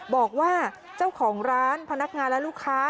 บอกว่าเจ้าของร้านพนักงานและลูกค้า